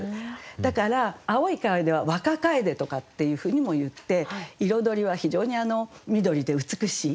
だから青い楓は「若楓」とかっていうふうにもいって彩りは非常に緑で美しい。